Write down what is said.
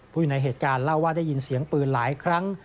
อยู่ในเหตุการณ์เล่าว่าได้ยินเสียงปืนหลายครั้ง